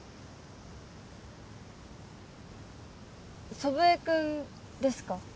祖父江君ですか？